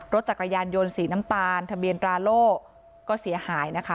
รถจักรยานยนต์สีน้ำตาลทะเบียนราโล่ก็เสียหายนะคะ